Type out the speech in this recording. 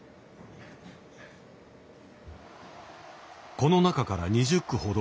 この中から２０句ほどを選び